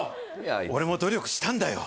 俺も努力したんだよ。